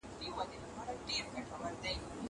میرمنې باید حقوق کم ونه ګڼي.